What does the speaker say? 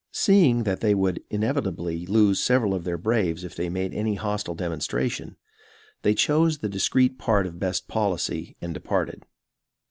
Seeing that they would inevitably lose several of their braves if they made any hostile demonstration, they chose the discreet part of best policy, and departed.